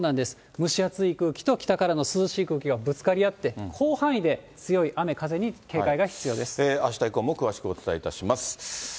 蒸し暑い空気と北からの涼しい空気がぶつかり合って、広範囲で強い雨風に警戒あした以降も詳しくお伝えいたします。